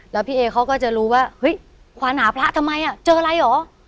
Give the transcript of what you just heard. แล้วพี่เอเขาก็จะรู้ว่าเฮ้ยควานหาพระทำไมเจออะไรเหรอ